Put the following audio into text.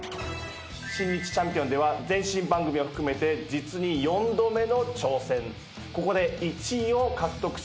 『新日ちゃんぴおん。』では前身番組を含めて実に４度目の挑戦。